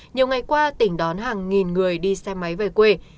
nhiều ngày qua tỉnh đón hàng nghìn người đi xe máy về quê